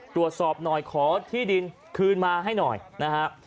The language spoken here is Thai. ตรวจสอบหน่อยขอที่ดินคืนมาให้หน่อยนะฮะ